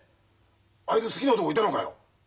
あいつ好きな男いたのかよ！？